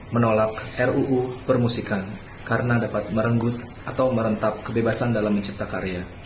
menolak ruu permusikan karena dapat merenggut atau merentap kebebasan dalam mencipta karya